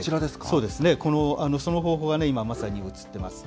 そうですね、その方法が、今まさに映ってます。